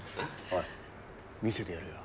おい見せてやるよ。